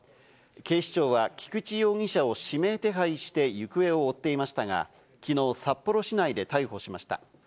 警視庁は菊池容疑者を指名手配して行方を追っていましたが、昨日、札幌市内で逮捕しました。